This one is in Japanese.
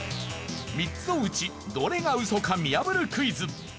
３つのうちどれがウソか見破るクイズ。